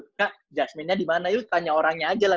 kak jasmine nya dimana tanya orangnya aja lah